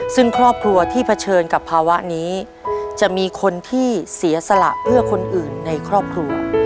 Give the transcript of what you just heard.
ซึ่งครอบครัวที่เผชิญกับภาวะนี้จะมีคนที่เสียสละเพื่อคนอื่นในครอบครัว